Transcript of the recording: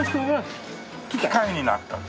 機械になったと。